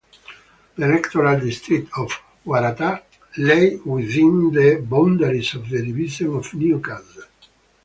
The electoral district of Waratah lay within the boundaries of the Division of Newcastle.